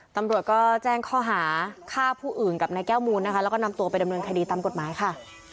ตำรวจก็แจ้งข้อหาฆ่าผู้อื่นกับนายแก้วมูลนะคะแล้วก็นำตัวไปดำเนินคดีตามกฎหมายค่ะ